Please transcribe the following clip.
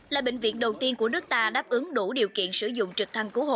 là bệnh viện đầu tiên của nước ta đáp ứng đủ điều kiện sử dụng trực thăng cứu hộ